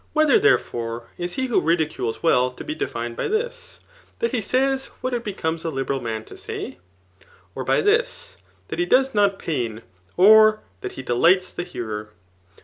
Whether, therefore, is he who ridicules well to be defined by this, that he says what it becomes a Hberal man to say ? or by this, that he does not pain, or that he delights the hearer